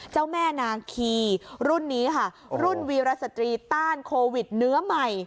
เจ้าแม่นาคีรุ่นนี้ค่ะรุ่นวีรสตรีต้านโควิดเนื้อใหม่